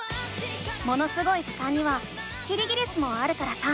「ものすごい図鑑」にはキリギリスもあるからさ